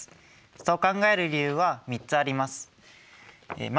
そう考える理由は３つあります。